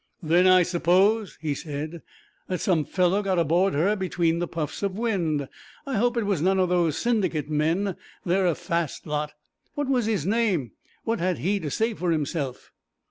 'Then I suppose,' he said, 'that some fellow got aboard her between the puffs of wind. I hope it was none of those Syndicate men; they're a fast lot. What was his name? What had he to say for himself?'